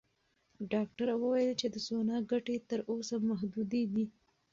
ډاکټره وویل چې د سونا ګټې تر اوسه محدودې دي.